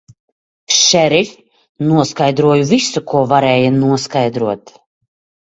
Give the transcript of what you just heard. Šerif, noskaidroju visu, ko varēja noskaidrot.